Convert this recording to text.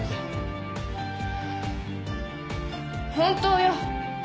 本当よ。